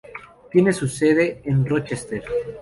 Tiene su sede en Rochester.